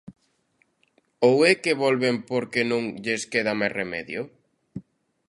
¿Ou é que volven porque non lles queda máis remedio?